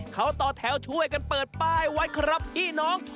เขาต่อแถวช่วยกันเปิดป้ายไว้ครับพี่น้อง